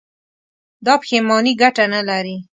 دا پښېماني گټه نه لري.